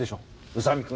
宇佐見君